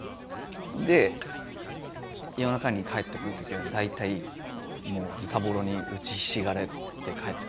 で夜中に帰ってくる時は大体もうズタボロに打ちひしがれて帰ってくるわけですよ。